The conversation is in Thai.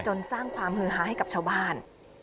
สร้างความฮือฮาให้กับชาวบ้าน